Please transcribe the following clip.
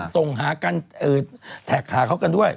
ส่งหากันแท็กหาเขากันด้วย